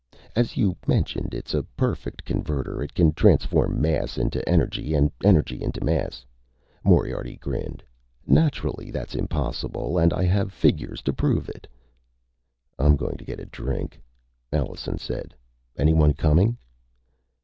"As you mentioned, it's a perfect converter it can transform mass into energy, and any energy into mass." Moriarty grinned. "Naturally that's impossible and I have figures to prove it." "I'm going to get a drink," Allenson said. "Anyone coming?"